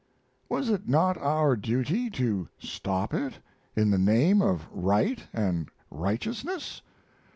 Was it not our duty to stop it, in the name of right and righteousness?